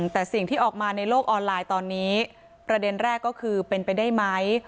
แต่สิ่งที่ออกมาในโลกออนไลน์ตอนนี้ประเด็นแรกก็คือเป็นไปได้ไหม